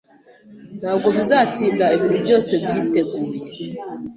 Ntabwo bizatinda ibintu byose byiteguye.